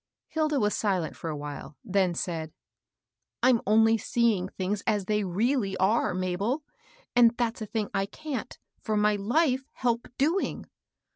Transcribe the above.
Hilda was silent for a while, then said, "I'm only seeing things as they really are, Mabel ; and that's a thing I can't, for my life, help doing.